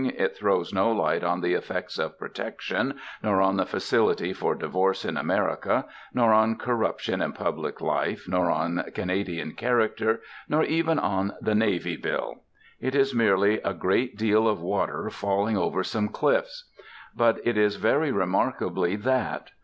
It throws no light on the effects of Protection, nor on the Facility for Divorce in America, nor on Corruption in Public Life, nor on Canadian character, nor even on the Navy Bill. It is merely a great deal of water falling over some cliffs. But it is very remarkably that.